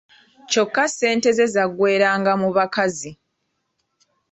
Kyokka ssente ze zaggweranga mu bakazi.